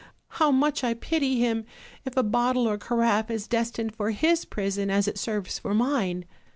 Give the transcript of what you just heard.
how much I pity him, if a bottle or caraffe is destined for his prison as it serves for mine."